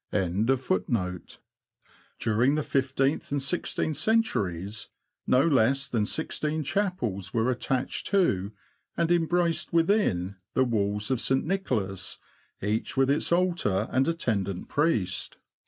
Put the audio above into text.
NORWICH TO YARMOUTH. 107 and sixteenth centuries, no less than sixteen chapels were attached to, and embraced within, the walls of St. Nicholas, each with its altar and attendant priest.